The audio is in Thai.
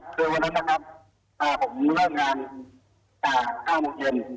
วันนั้นนะครับผมเริ่มงานจากข้างมุมเย็น